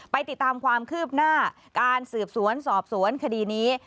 ติดตามความคืบหน้าการสืบสวนสอบสวนคดีนี้